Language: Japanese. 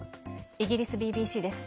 イギリスＢＢＣです。